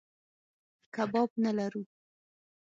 کباب نه لرو.